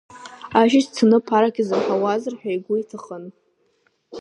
Ашьыжь дцаны ԥарак изырҳауазар ҳәа игәы иҭахын.